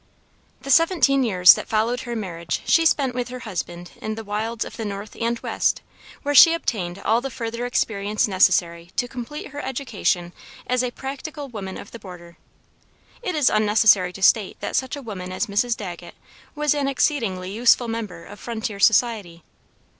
The seventeen years that followed her marriage she spent with her husband in the wilds of the North and West, where she obtained all the further experience necessary to complete her education as a practical Woman of the Border. It is unnecessary to state that such a woman as Mrs. Dagget was an exceedingly useful member of frontier society.